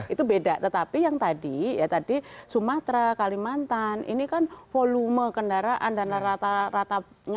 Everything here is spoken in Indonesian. itu beda tetapi yang tadi sumatera kalimantan ini kan volume kendaraan dan rata ratanya itu berbeda